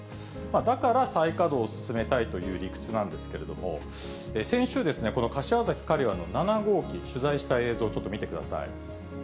だから再稼働を進めたいという理屈なんですけれども、先週、この柏崎刈羽の７号機、取材した映像、ちょっと見てください。